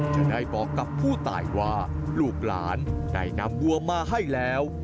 จะได้บอกกับผู้ตายว่าลูกหลานได้นำวัวมาให้แล้ว